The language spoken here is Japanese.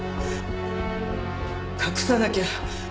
隠さなきゃ。